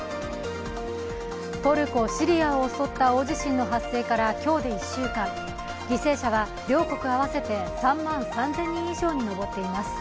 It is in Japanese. トルコ・シリアを襲った大地震の発生から今日で１週間、犠牲者は両国合わせて３万３０００人以上に上っています。